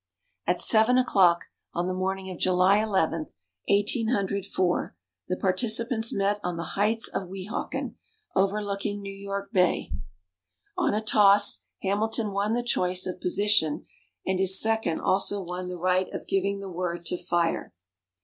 At seven o'clock on the morning of July Eleventh, Eighteen Hundred Four, the participants met on the heights of Weehawken, overlooking New York Bay. On a toss Hamilton won the choice of position and his second also won the right of giving the word to fire.